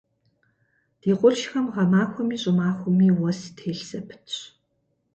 Ди къуршхэм гъэмахуэми щӏымахуэми уэс телъ зэпытщ.